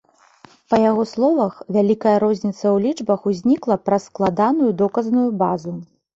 Па яго словах, вялікая розніца ў лічбах узнікла праз складаную доказную базу.